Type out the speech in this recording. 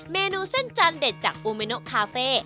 เมนูเส้นจันทร์เด็ดจากอูเมโนะคาเฟ่